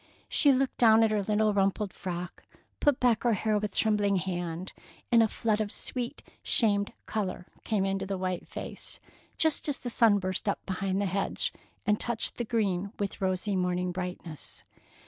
She looked down at her little rumpled frock, put back her hair with trembling hand, and a flood of sweet, shamed color came into the white face, just as the sun burst up behind the hedge and touched the green with rosy morning brightness.